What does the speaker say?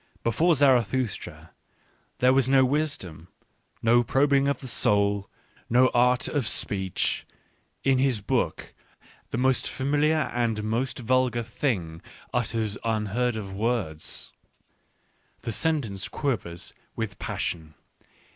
Before Zarathustra there was no wisdom, no probing of the soul, no art of speech : in his book, the most familiar and most vulgar thing utters unheard of words. The sentence quivers with passion.